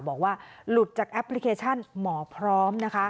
บอกว่าหลุดจากแอปพลิเคชันหมอพร้อมนะคะ